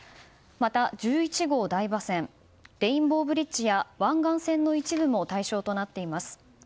また、１１号台場線レインボーブリッジや湾岸線の一部も対象となっています。